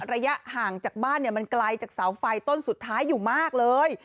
ระยะห่างจากบ้านมันไกลจากเสาไฟต้นสุดท้ายอยู่มากเลย